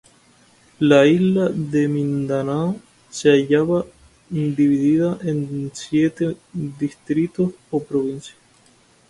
La isla de Mindanao se hallaba dividida en siete distritos ó provincias.